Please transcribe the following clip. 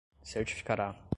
certificará